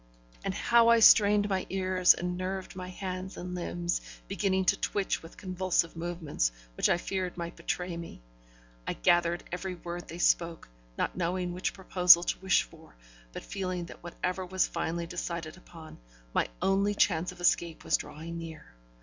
And how I strained my ears, and nerved my hands and limbs, beginning to twitch with convulsive movements, which I feared might betray me! I gathered every word they spoke, not knowing which proposal to wish for, but feeling that whatever was finally decided upon, my only chance of escape was drawing near.